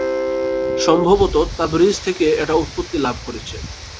সম্ভবত তাবরিজ থেকে এটা উৎপত্তি লাভ করেছে।